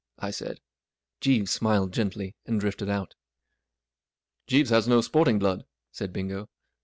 I said. Jeeves smiled gently, and drifted out. 44 Jeeves has no sporting blood," said Bingo.